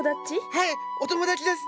はいお友達です。